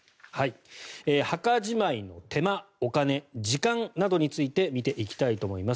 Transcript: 墓じまいの手間、お金、時間などについて見ていきたいと思います。